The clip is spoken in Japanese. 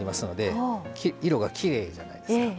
色がきれいじゃないですか。